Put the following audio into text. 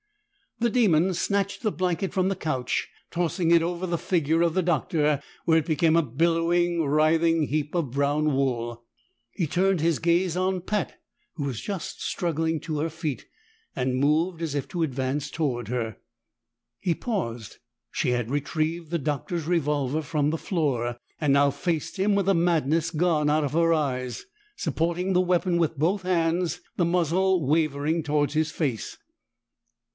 The demon snatched the blanket from the couch, tossing it over the figure of the Doctor, where it became a billowing, writhing heap of brown wool. He turned his gaze on Pat, who was just struggling to her feet, and moved as if to advance toward her. He paused. She had retrieved the Doctor's revolver from the floor, and now faced him with the madness gone out of her eyes, supporting the weapon with both hands, the muzzle wavering toward his face.